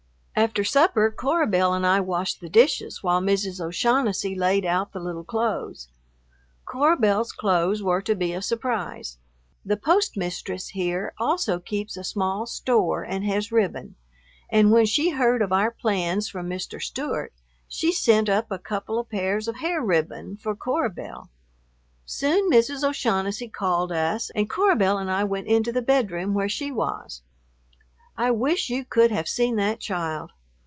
After supper Cora Belle and I washed the dishes while Mrs. O'Shaughnessy laid out the little clothes. Cora Belle's clothes were to be a surprise. The postmistress here also keeps a small store and has ribbon, and when she heard of our plans from Mr. Stewart she sent up a couple of pairs of hair ribbon for Cora Belle. Soon Mrs. O'Shaughnessy called us, and Cora Belle and I went into the bedroom where she was. I wish you could have seen that child!